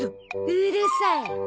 うるさい。